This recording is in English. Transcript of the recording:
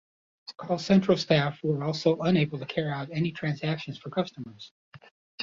Call centre staff were also unable to carry out any transactions for customers.